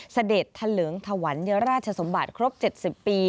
เสด็จทะเลิงถวัญราชสมบัติครบ๗๐ปี